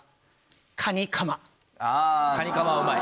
カニカマはうまい。